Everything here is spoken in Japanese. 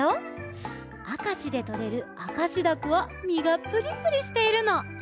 あかしでとれるあかしダコはみがプリプリしているの。